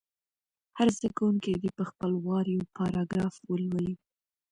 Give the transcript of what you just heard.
هر زده کوونکی دې په خپل وار یو پاراګراف ولولي.